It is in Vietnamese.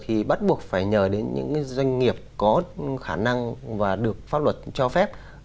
thì bắt buộc phải nhờ đến những doanh nghiệp có khả năng và được pháp luật cho phép